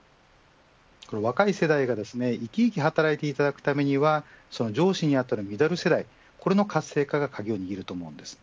若い世代が生き生き働いていただくためには上司に当たるミドル世代の活性化が鍵を握ると思います。